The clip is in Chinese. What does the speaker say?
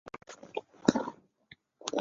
区域内交通设置齐全。